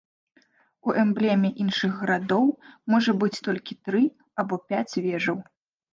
У эмблеме іншых гарадоў можа быць толькі тры або пяць вежаў.